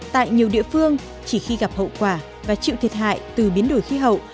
tại nhiều địa phương chỉ khi gặp hậu quả và chịu thiệt hại từ biến đổi khí hậu